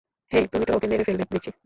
হেই, তুমি তো ওকে মেরে ফেলবে দেখছি।